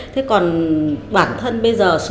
thế còn bản thân bây giờ số